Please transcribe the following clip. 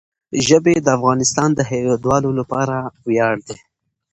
ژبې د افغانستان د هیوادوالو لپاره ویاړ دی.